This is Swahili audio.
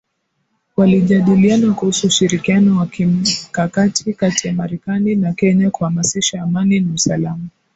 Walijadiliana kuhusu ushirikiano wa kimkakati kati ya Marekani na Kenya kuhamasisha amani na usalama